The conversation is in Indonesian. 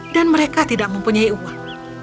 dan mereka tidak mempunyai uang